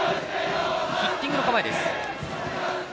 ヒッティングの構えです。